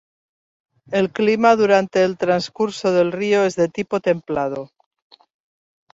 El clima durante el trascurso del río es de tipo templado.